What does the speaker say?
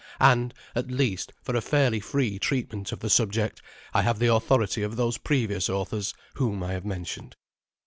And, at least, for a fairly free treatment of the subject, I have the authority of those previous authors whom I have mentioned.